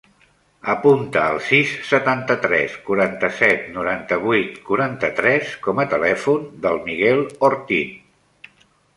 Apunta el sis, setanta-tres, quaranta-set, noranta-vuit, quaranta-tres com a telèfon del Miguel Ortin.